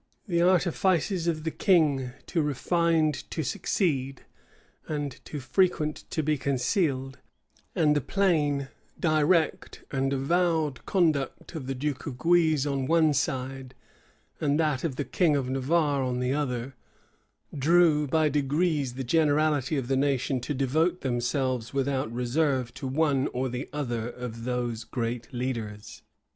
{1579.} The artifices of the king too refined to succeed, and too frequent to be concealed; and the plain, direct, and avowed conduct of the duke of Guise on one side, and that of the king of Navarre on the other, drew by degrees the generality of the nation to devote themselves without reserve to one or the other of those great leaders.